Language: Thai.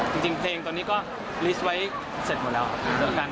จริงเพลงตอนนี้ก็ลิสต์ไว้เสร็จหมดแล้วครับ